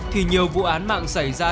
thì nhiều vụ án mạng xảy ra